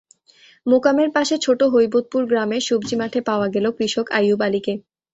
মোকামের পাশে ছোট হৈবতপুর গ্রামের সবজির মাঠে পাওয়া গেল কৃষক আইয়ুব আলীকে।